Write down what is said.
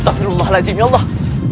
astagfirullahaladzim ya allah